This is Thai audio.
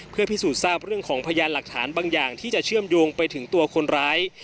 เพื่อพิสูจน์ทราบเรื่องของพยานหลักฐานบางอย่างที่จะเชื่อมโยงไปถึงตัวคนร้าย